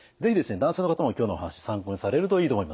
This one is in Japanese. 男性の方も今日のお話参考にされるといいと思いますよ。